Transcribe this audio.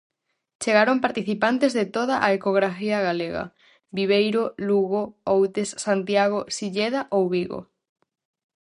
Chegaron participantes de toda a ecografía galega: Viveiro, Lugo, Outes, Santiago, Silleda ou Vigo.